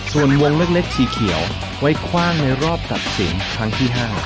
ส่วนวงเล็กสีเขียวไว้คว่างในรอบตัดสินครั้งที่๕